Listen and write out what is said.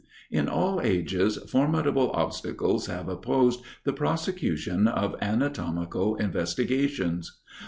In all ages, formidable obstacles have opposed the prosecution of anatomical investigations.